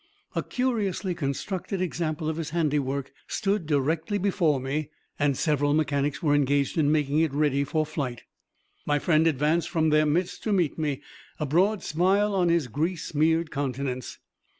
A curiously constructed example of his handiwork stood directly before me, and several mechanics were engaged in making it ready for flight. My friend advanced from their midst to meet me, a broad smile on his grease smeared countenance.